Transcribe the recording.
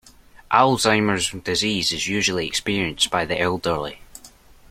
Alzheimer’s disease is usually experienced by the elderly.